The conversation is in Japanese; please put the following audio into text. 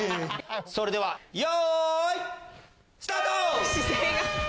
それではよいスタート！